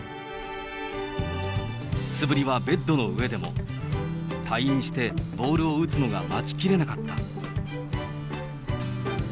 素振りはベッドの上でも、退院してボールを打つのが待ちきれなかった。